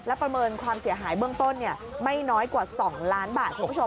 และประเมินความเสียหายเบื้องต้นไม่น้อยกว่า๒ล้านบาทคุณผู้ชม